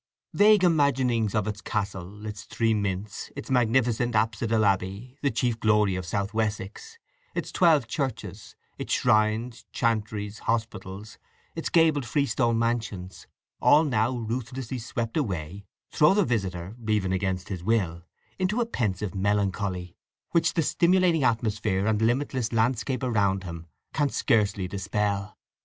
Vague imaginings of its castle, its three mints, its magnificent apsidal abbey, the chief glory of South Wessex, its twelve churches, its shrines, chantries, hospitals, its gabled freestone mansions—all now ruthlessly swept away—throw the visitor, even against his will, into a pensive melancholy, which the stimulating atmosphere and limitless landscape around him can scarcely dispel.